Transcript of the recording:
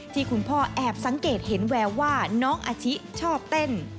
ที่คุณพ่อแอบสังเกตเห็นแววว่าน้องอาชิชอบเต้น